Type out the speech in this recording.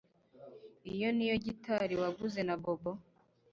Iyo niyo gitari waguze na Bobo